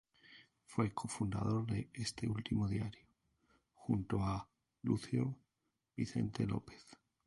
Fue cofundador de este último diario junto a Lucio Vicente López.